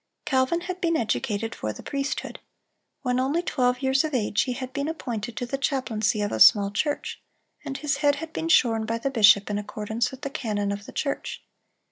(333) Calvin had been educated for the priesthood. When only twelve years of age he had been appointed to the chaplaincy of a small church, and his head had been shorn by the bishop in accordance with the canon of the church.